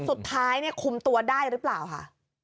สุดท้ายเนี่ยคุมตัวได้หรือเปล่าค่ะ